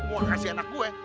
gue gak kasih anak gue